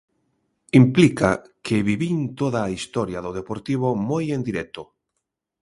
Implica que vivín toda a historia do Deportivo moi en directo.